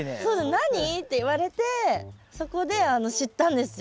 「何？」って言われてそこで知ったんですよ